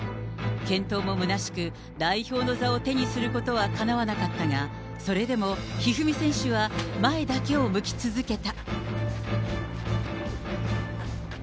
健闘もむなしく、代表の座を手にすることはかなわなかったが、それでも一二三選手は前だけを向き続けた。